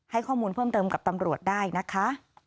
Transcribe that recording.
ให้ข้อมูลเพิ่มเติมกับตำรวจได้นะคะ